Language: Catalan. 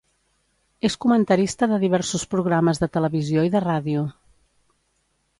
És comentarista de diversos programes de televisió i de ràdio.